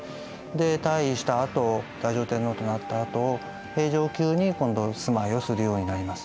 で退位したあと太上天皇となったあと平城宮に今度住まいをするようになります。